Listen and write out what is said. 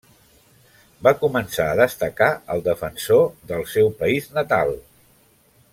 Va començar a destacar al Defensor del seu país natal.